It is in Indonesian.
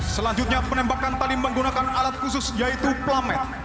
selanjutnya penembakan tali menggunakan alat khusus yaitu plamet